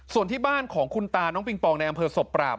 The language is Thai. ส่วนที่บ้านของคุณตาน้องปิงปองในอำเภอศพปราบ